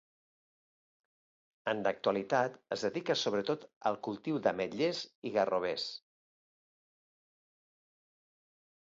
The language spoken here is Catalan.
En l'actualitat es dedica sobretot al cultiu d'ametlers i garrovers.